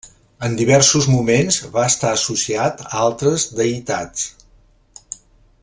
En diversos moments va estar associat a altres deïtats.